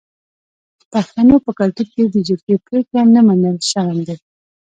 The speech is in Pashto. د پښتنو په کلتور کې د جرګې پریکړه نه منل شرم دی.